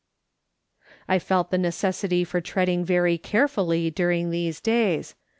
I felt the necessity for treading very carefully during these days.